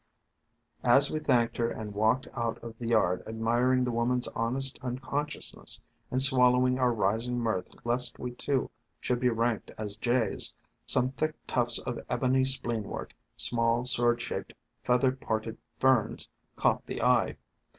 As we thanked her and walked out of the yard, admiring the woman's honest unconscious ness, and swallowing our rising mirth lest we too should be ranked as jays, some thick tufts of Ebony Spleenwort, small sword shaped feather parted Ferns, caught the eye.